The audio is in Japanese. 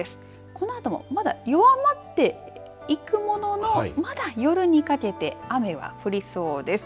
このあともまだ弱まっていくもののまだ夜にかけて雨は降りそうです。